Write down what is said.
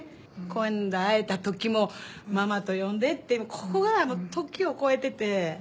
「今度逢えた時もママと呼んで」ってここが時を超えてて。